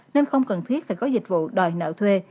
nên không cần thiết phải có dịch vụ đòi nợ thuê